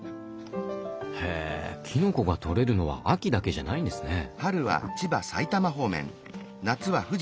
へぇきのこが採れるのは秋だけじゃないんですね。